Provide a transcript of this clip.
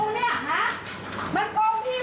อาทิตย์ปฎิสั่งให้ดูคุณผู้